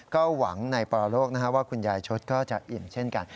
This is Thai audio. ก็หวังในปรโลกว่าคุณยายชดก็จะอิ่มเช่นกัน